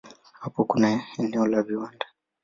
Hapa kuna eneo la viwanda.